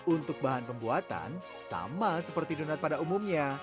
untuk bahan pembuatan sama seperti donat pada umumnya